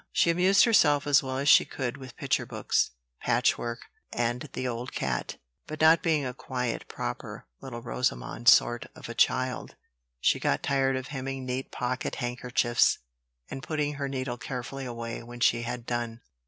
She amused herself as well as she could with picture books, patchwork, and the old cat; but, not being a quiet, proper, little Rosamond sort of a child, she got tired of hemming neat pocket handkerchiefs, and putting her needle carefully away when she had done.